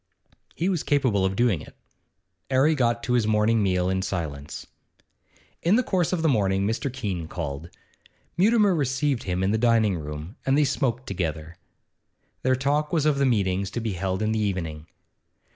He was capable of doing it. 'Arry got to his morning meal in silence. In the course of the morning Mr. Keene called. Mutimer received him in the dining room, and they smoked together. Their talk was of the meetings to be held in the evening.